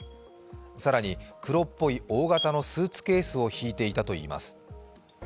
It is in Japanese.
更に、黒っぽい大型のスーツケースを引いていたといいます。